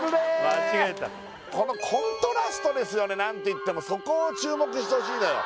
間違えたこのコントラストですよね何ていってもそこを注目してほしいのよ